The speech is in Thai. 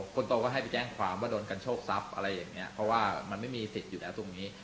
คนโตก็ให้ไปแจ้งความว่าโดนกันโชคทรัพย์อะไรอย่างนี้เพราะว่ามันไม่มีสิทธิ์อยู่แล้วตรงนี้